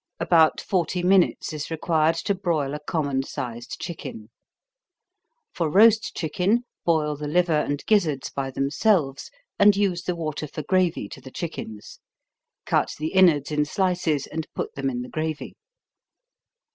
About forty minutes is required to broil a common sized chicken. For roast chicken, boil the liver and gizzards by themselves, and use the water for gravy to the chickens cut the inwards in slices, and put them in the gravy.